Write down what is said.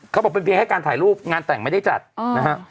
เขาบอกเป็นเพียงแค่การถ่ายรูปงานแต่งไม่ได้จัดนะฮะ